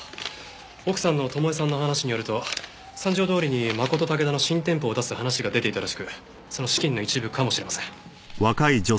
奥さんの巴さんの話によると三条通にマコトタケダの新店舗を出す話が出ていたらしくその資金の一部かもしれません。